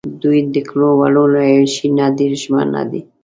دوۍ دکړو وړو له عیاشۍ نه ډېر ژمن نه دي.